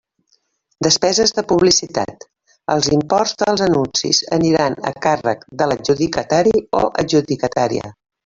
Despeses de publicitat: els imports dels anuncis aniran a càrrec de l'adjudicatari o adjudicatària.